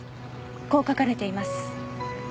こう書かれています。